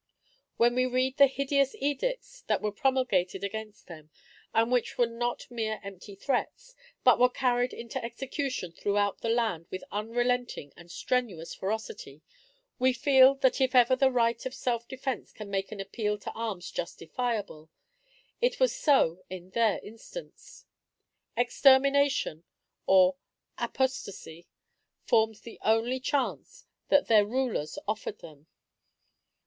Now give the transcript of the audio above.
When we read the hideous edicts that were promulgated against them, and which were not mere empty threats, but were carried into execution throughout the land with unrelenting and strenuous ferocity, we feel that if ever the right of self defence can make an appeal to arms justifiable, it was so in their instance. Extermination or apostasy formed the only choice that their rulers offered them.